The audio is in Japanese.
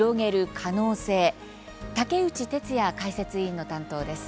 竹内哲哉解説委員の担当です。